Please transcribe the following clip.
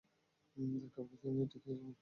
Doctor বলেছে, উনি ঠিক হয়ে যাবেন!